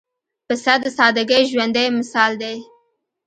پسه د سادګۍ ژوندى مثال دی.